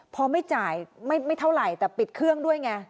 พอไม่จ่ายไม่เท่าไหร่แต่ปิดเครื่องด้วยไง